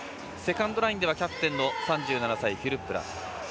セカンドラインではキャプテン、３７歳のフィルップラ。